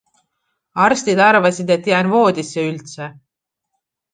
Arstid arvasid, et jään voodisse üldse.